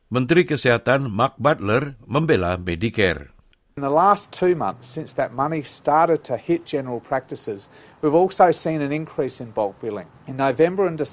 menteri kesehatan mark butler membela medicare